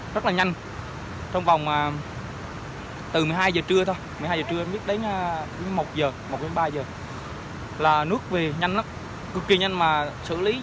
đến một giờ một đến ba giờ là nước về nhanh lắm cực kỳ nhanh mà xử lý